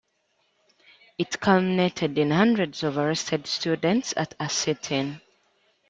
It culminated in hundreds of arrested students at a sit-in.